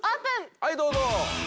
はいどうぞ！